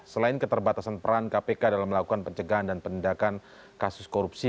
selain keterbatasan peran kpk dalam melakukan pencegahan dan penindakan kasus korupsi